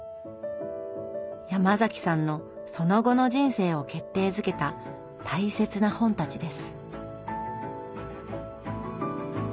ヤマザキさんのその後の人生を決定づけた大切な本たちです。